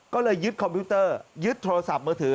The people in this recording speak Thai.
ก็เลยยึดคอมพิวเตอร์ยึดโทรศัพท์มือถือ